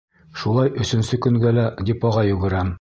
Шулай өсөнсө көнгә лә депоға йүгерәм.